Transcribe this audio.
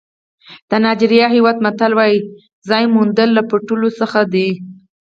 د نایجېریا هېواد متل وایي ځای موندل له پټولو سخت دي.